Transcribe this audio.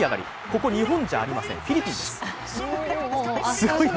ここ、日本じゃありません、フィリピンです。